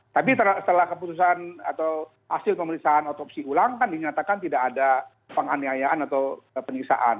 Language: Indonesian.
tapi setelah keputusan atau hasil pemeriksaan otopsi ulang kan dinyatakan tidak ada penganiayaan atau penyiksaan